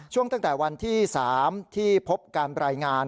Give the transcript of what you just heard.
ตั้งแต่วันที่๓ที่พบการรายงาน